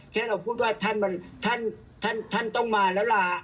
แค่เราพูดว่าท่านต้องมาแล้วล่ะ